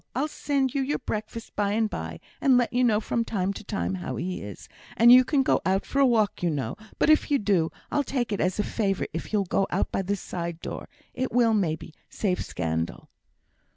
I'll send you your breakfast by and by, and let you know from time to time how he is; and you can go out for a walk, you know; but if you do, I'll take it as a favour if you'll go out by the side door. It will, maybe, save scandal."